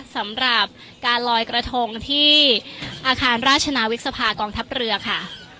สำหรับการลอยกระทงที่อาคารราชนาวิกษภากองทัพเรือค่ะ